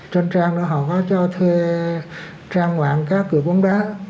trên trang đó họ có cho thuê trang ngoạn cá cửa bóng đá